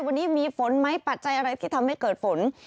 วันนี้มีฝนไหมปัจจัยอะไรที่ทำให้เกิดฝน